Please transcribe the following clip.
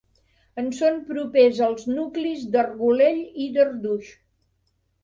En són propers els nuclis d'Argolell i d'Arduix.